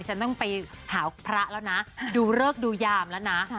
ฉันต้องไปหาพระแล้วนะดูเลิกดูยามแล้วนะ